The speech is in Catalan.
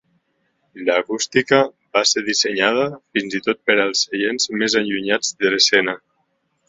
L'acústica va ser dissenyada fins i tot per als seients més allunyats de l'escena.